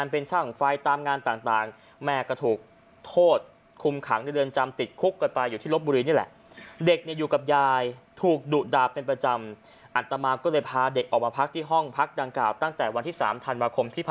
รักอย่างนั้นรักอย่างนี้นะครับพระบุญสงฆ์เองปฏิเสธ